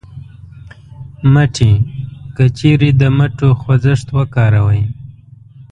مټې : که چېرې د مټو خوځښت وکاروئ